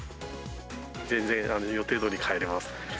全然予定どおり帰れます。